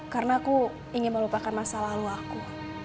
karena aku ingin melupakan masa lalu aku